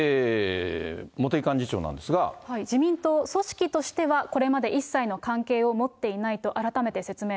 自民党、組織としてはこれまで一切の関係を持っていないと改めて説明。